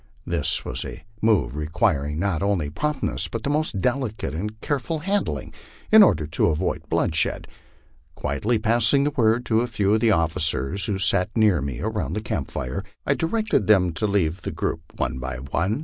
This was a move requiring not only promptness but most delicate and careful handling, in order to avoid bloodshed. Quietly passing the word to a few of the officers who sat near me around the camp fire, I directed them to leave the group one by one, MY LIFE OX THE PLAINS.